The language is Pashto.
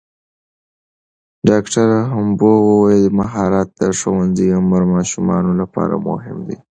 ډاکټره هومبو وویل مهارت د ښوونځي عمر ماشومانو لپاره مهم دی.